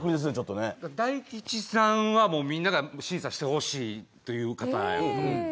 大吉さんは、みんなが審査してほしいという方やと。